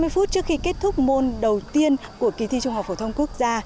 sáu mươi phút trước khi kết thúc môn đầu tiên của kỳ thi trung học phổ thông quốc gia